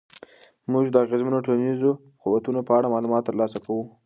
موږ د اغېزمنو ټولنیزو قوتونو په اړه معلومات ترلاسه کوو.